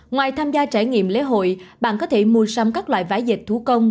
ngoài tham gia trải nghiệm lễ hội bạn có thể mua xăm các loại vải dệt thú công